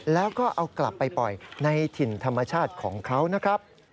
แล้วก็เอากลับไปปล่อยในถิ่นธรรมชาติของเขานะครับ